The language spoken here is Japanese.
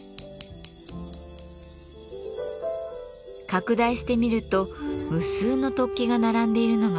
拡大してみると無数の突起が並んでいるのが分かります。